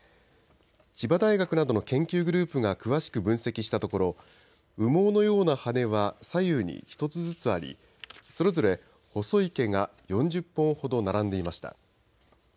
千葉大学などの研究グループが詳しく分析したところ羽毛のような羽は左右に１つずつありそれぞれ、細い毛が４０本ほど並んでいました。